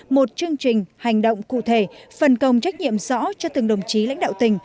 một chương trình hành động cụ thể phần công trách nhiệm rõ cho từng đồng chí lãnh đạo tỉnh